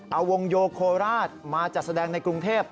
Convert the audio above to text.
เอาวงโยโคราชมาจัดแสดงในกรุงเทพ